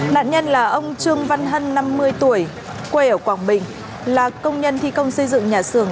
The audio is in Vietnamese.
nạn nhân là ông trương văn hân năm mươi tuổi quê ở quảng bình là công nhân thi công xây dựng nhà xưởng